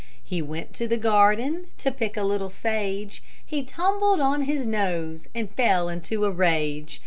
He went to the garden To pick a little sage; He tumbled on his nose, And fell into a rage.